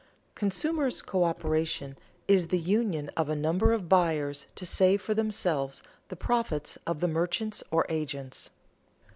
_Consumers' coöperation is the union of a number of buyers to save for themselves the profits of the merchants or agents.